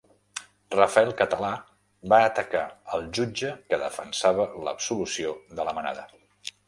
Rafael Català va atacar al jutge que defensava l'absolució de la Manada